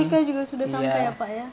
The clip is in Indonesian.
ika juga sudah sampai ya pak ya